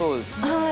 はい。